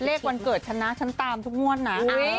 เลขวันเกิดชนะชั้นตามทุกงวดนะ